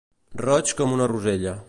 Roig com una rosella.